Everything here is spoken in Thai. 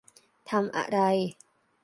ทำอะไร ?